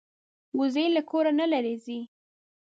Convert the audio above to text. وزې له کور نه لرې نه ځي